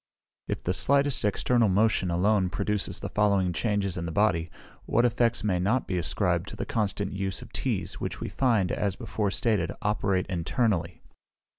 If the slightest external motion alone produces the following changes in the body, what effects may not be ascribed to the constant use of teas, which we find, as before stated, operate internally?